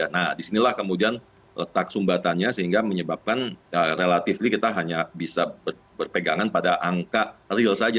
nah disinilah kemudian letak sumbatannya sehingga menyebabkan relatively kita hanya bisa berpegangan pada angka real saja